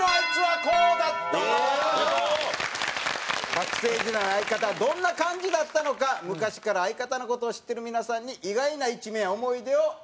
学生時代の相方はどんな感じだったのか昔から相方の事を知ってる皆さんに意外な一面や思い出を語ってください。